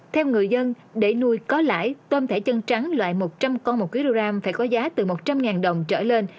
theo người dân để nuôi có lãi tôm thẻ chân trắng loại một trăm linh con một kg phải có giá từ một trăm linh đồng trở lên